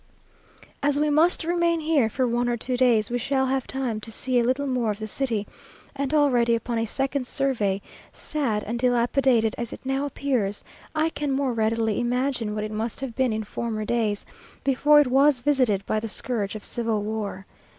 As we must remain here for one or two days, we shall have time to see a little more of the city; and already, upon a second survey, sad and dilapidated as it now appears, I can more readily imagine what it must have been in former days, before it was visited by the scourge of civil war.